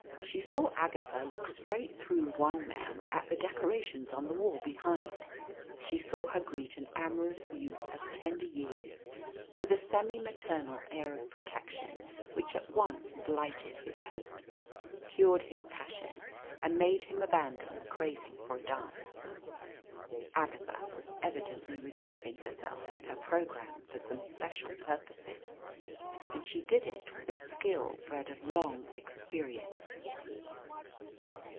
She saw Agatha look straight through one man at the decorations on the wall behind; she saw her greet an amorous youth of tender years with a semi maternal air of protection which at once blighted his hopes, cured his passion, and made him abandon the craving for a dance. Agatha was evidently reserving herself and her programme for some special purposes, and she did it with a skill bred of long experience.